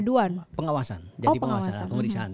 lebih banyak dari pengawasan jadi pengawasan pemeriksaan